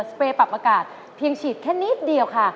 เปรย์ปรับอากาศเพียงฉีดแค่นิดเดียวค่ะ